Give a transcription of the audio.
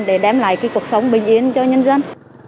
để đem lại cuộc sống bình yên cho nhân dân